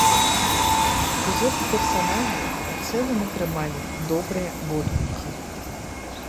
Сюжэт і персанажы ў цэлым атрымалі добрыя водгукі.